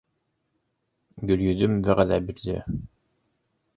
Гөлйөҙөм вәғәҙә бирҙе: